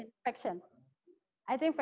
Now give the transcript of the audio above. itu penting untuk